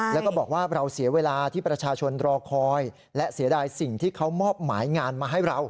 แล้วก็บอกว่าเราเสียเวลาที่ประชาชนรอคอยและเสียดายสิ่งที่เขามอบหมายงานมาให้เรา